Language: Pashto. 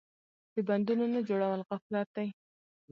د بندونو نه جوړول غفلت دی.